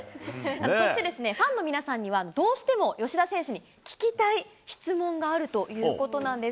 そしてですね、ファンの皆さんには、どうしても吉田選手に聞きたい質問があるということなんです。